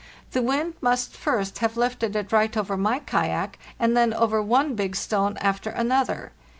The wind must first have lifted it right over my kayak, and then over one big stone after another.